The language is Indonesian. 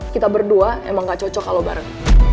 kita berdua emang gak cocok kalau bareng